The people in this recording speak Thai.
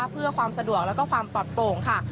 เพื่อความสะดวกแล้วก็ความปลอดโปร่งค่ะ